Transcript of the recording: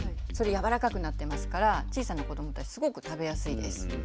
それ柔らかくなってますから小さな子どもたちすごく食べやすいです。